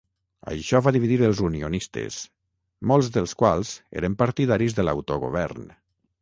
Això va dividir els unionistes, molts dels quals eren partidaris de l'autogovern.